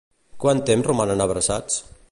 Quant temps romanen abraçats?